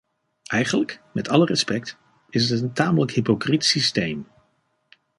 Eigenlijk, met alle respect, is het een tamelijk hypocriet systeem.